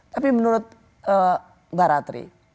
tapi menurut mbak ratri